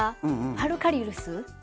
ファルカリウス。